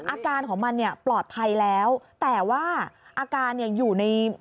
อาการของมันปลอดภัยแล้วแต่ว่าอาการอยู่ใน